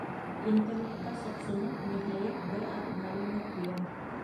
Интернетта соҡсоноп, ниһайәт, бер аҙ мәғлүмәт йыям.